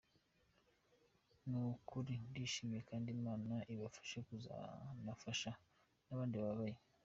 Ni ukuri ndishimye kandi Imana ibafashe bazanafashe n’abandi bababaye.